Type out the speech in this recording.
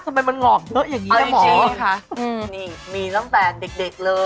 ทำไมมันหงอกเบอะอย่างนี้นะหมออ๋อจริงค่ะนี่มีตั้งแต่เด็กเลย